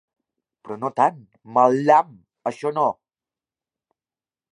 … però no tant, mal llamp! això no!